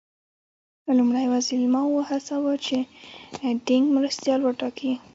لومړي وزیر ماوو وهڅاوه چې دینګ مرستیال وټاکي.